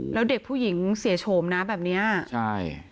แล้วเด็กผู้หญิงเสียโฉมนะแบบเนี้ยใช่